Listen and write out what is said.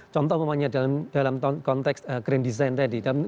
contohnya dalam konteks grand design tadi